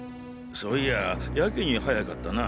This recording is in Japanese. そういやぁやけに早かったな。